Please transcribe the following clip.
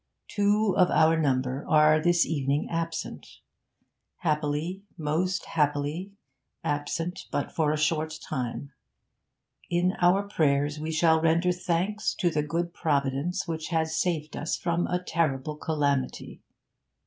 'Two of our number are this evening absent. Happily, most happily, absent but for a short time; in our prayers we shall render thanks to the good Providence which has saved us from a terrible calamity.